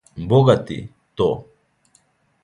Бога ти, то.